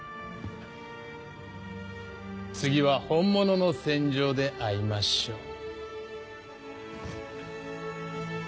次は本物の戦場で会いましょう。